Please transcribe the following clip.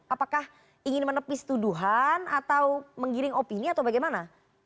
apakah ingin menepis tuduhan atau menggiring opini atau bagaimana